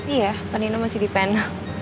iya panino masih di pen